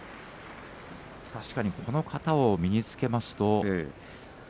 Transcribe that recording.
確かにこの型を身に着けますと。